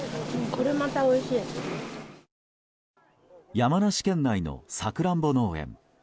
山梨県内のサクランボ農園。